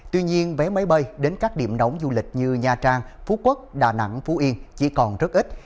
tuy nhiên vé máy bay đến các điểm nóng du lịch như nha trang phú quốc đà nẵng phú yên chỉ còn rất ít